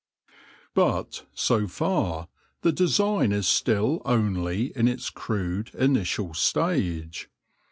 But, so far, the design is still only in its crude, initial stage.